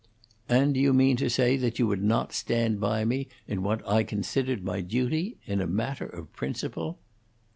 "And do you mean to say that you would not stand by me in what I considered my duty in a matter of principle?"